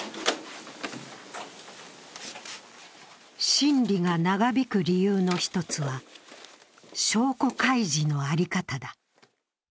審理が長引く理由の一つは証拠開示のあり方だ。